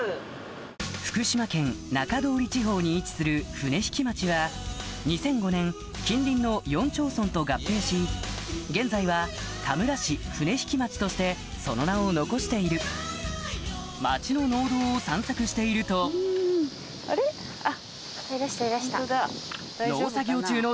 福島県中通り地方に位置する船引町は２００５年近隣の４町村と合併し現在は田村市船引町としてその名を残している町の農道を散策していると農作業中の